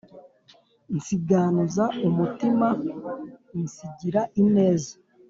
Nsiganuza umutima unsigira ineza,